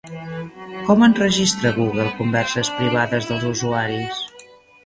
Com enregistra Google converses privades dels usuaris?